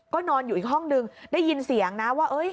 ก็นอนอยู่อีกห้องนึงได้ยินเสียงนะว่า